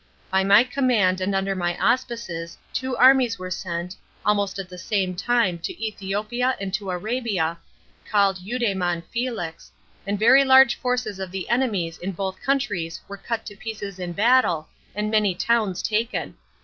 By my command and under my auspices two armies were sent, almost at the same time to Ethiopia and to Arabia, calkd Euda^mon [Felix], and very large forces of the enemies in both countries were cut to pieces in battle, and many towns taken.